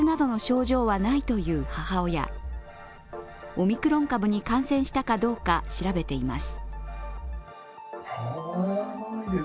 オミクロン株に感染したかどうか調べています。